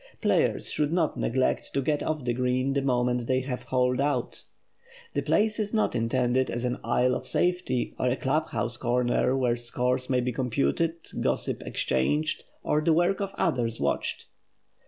Players should not neglect to get off the green the moment they have "holed out." The place is not intended as an isle of safety, or a club house corner where scores may be computed, gossip exchanged, or the work of others watched.